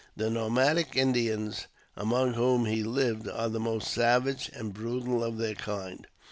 The nomadic Indians among whom he lived are the most savage and brutal of their kind.